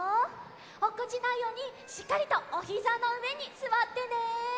おっこちないようにしっかりとおひざのうえにすわってね。